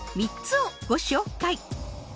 ３つをご紹介